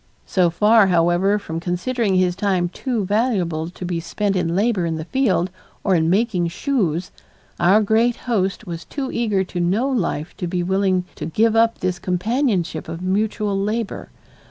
So far, however, from considering his time too valuable to be spent in labor in the field or in making shoes, our great host was too eager to know life to be willing to give up this companionship of mutual labor.